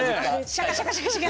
シャカシャカシャカシャカ。